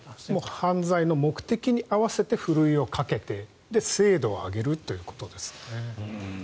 犯罪の目的に合わせてふるいをかけて精度を上げるということですね。